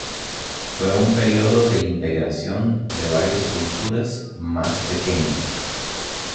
Fue un periodo de integración de varias culturas más pequeñas.